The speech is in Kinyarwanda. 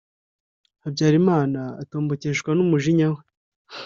habyarimana atombokeshwa n' umujinya we: